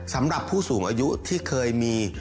สำหรับผู้สูงอายุที่เคยมี